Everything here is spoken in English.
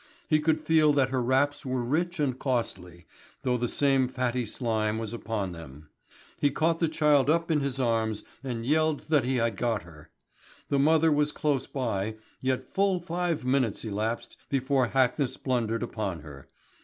He could feel that her wraps were rich and costly, though the same fatty slime was upon them. He caught the child up in his arms and yelled that he had got her. The mother was close by, yet full five minutes elapsed before Hackness blundered upon her.